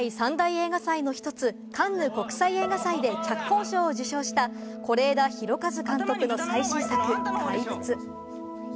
世界三大映画祭の一つ、カンヌ国際映画祭で脚本賞を受賞した是枝裕和監督の最新作『怪物』。